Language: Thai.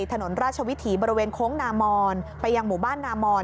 ถนนราชวิถีบริเวณโค้งนามอนไปยังหมู่บ้านนามอน